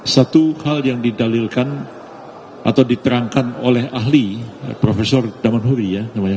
satu hal yang didalilkan atau diterangkan oleh ahli profesor daman huri ya